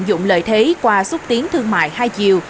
các doanh nghiệp có thể tận dụng lợi thế qua xúc tiến thương mại hai chiều